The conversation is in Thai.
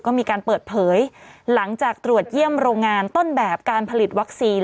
ก็มีการเปิดเผยหลังจากตรวจเยี่ยมโรงงานต้นแบบการผลิตวัคซีน